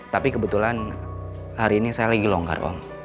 tapi kebetulan hari ini saya lagi longgar om